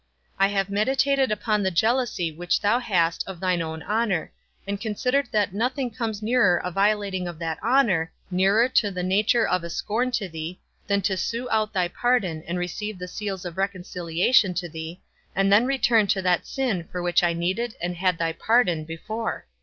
I have meditated upon the jealousy which thou hast of thine own honour, and considered that nothing comes nearer a violating of that honour, nearer to the nature of a scorn to thee, than to sue out thy pardon, and receive the seals of reconciliation to thee, and then return to that sin for which I needed and had thy pardon before.